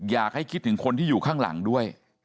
อยากให้คิดถึงคนที่อยู่ข้างหลังด้วย